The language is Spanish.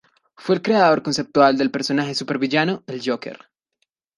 Fue el creador conceptual del personaje supervillano El Joker.